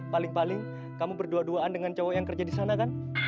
paling paling kamu berdua duaan dengan cowok yang kerja di sana kan